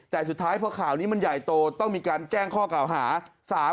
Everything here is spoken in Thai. แต่สุดท้ายพอข่าวนี้มันใหญ่โตต้องมีการแจ้งข้อกล่าวหา